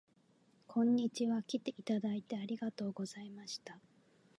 こんにちは。きていただいてありがとうございました